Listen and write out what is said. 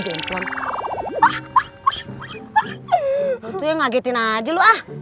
itu ya ngagetin aja lu ah